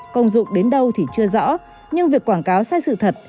công dụng đến đâu thì chưa rõ nhưng việc quảng cáo sai sự thật